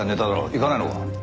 行かないのか？